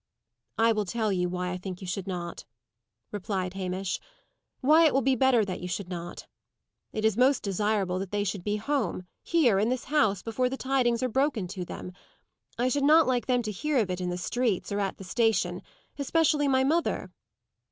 "I will tell you why I think you should not," replied Hamish; "why it will be better that you should not. It is most desirable that they should be home, here, in this house, before the tidings are broken to them. I should not like them to hear of it in the streets, or at the station; especially my mother."